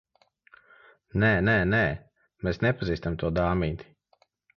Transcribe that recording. Nē, nē, nē. Mēs nepazīstam to dāmīti.